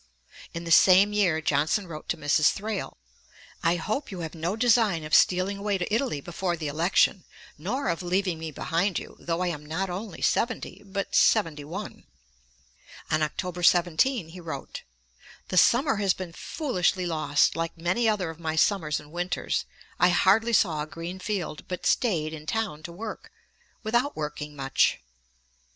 In the same year Johnson wrote to Mrs. Thrale: 'I hope you have no design of stealing away to Italy before the election, nor of leaving me behind you; though I am not only seventy, but seventy one.' Piozzi Letters, ii. 177. On Oct. 17 he wrote: 'The summer has been foolishly lost, like many other of my summers and winters. I hardly saw a green field, but staid in town to work, without working much.'